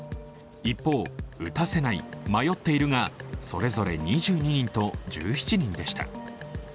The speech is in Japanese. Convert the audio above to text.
一方、「打たせない」「迷っている」がそれぞれ２２人と１７人でした。